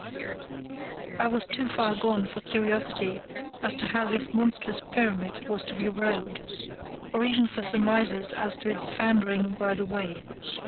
I was too far gone for curiosity as to how this monstrous pyramid was to be rowed, or even for surmises as to its foundering by the way.